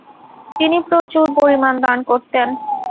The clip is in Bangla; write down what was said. তিনি প্রচুর পরিমাণ দান করতেন।